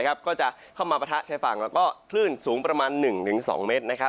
ก็จะเข้ามาปะทะชายฝั่งแล้วก็คลื่นสูงประมาณ๑๒เมตร